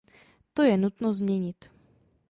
To je nutno změnit.